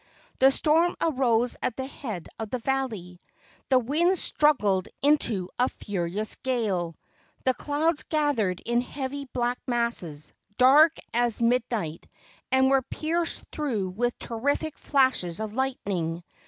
The storm arose at the head of the valley. The winds struggled into a furious gale. The clouds gathered in heavy black masses, dark as mid¬ night, and were pierced through with terrific flashes of lightning.